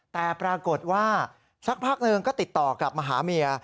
แต่ปรากฏว่าสักพักหนึ่งก็ติดต่อกลับมาหาเมีย